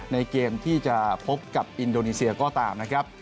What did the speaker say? ในเกมที่จะพบกับอินโดนีเซียก็ตามนะครับ